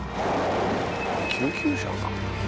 救急車か。